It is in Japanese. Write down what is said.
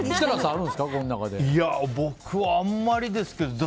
僕はあまりですけどね。